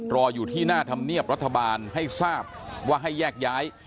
รออยู่ที่หน้าธรรมเนียบรัฐบาลให้ทราบว่าให้แยกย้าย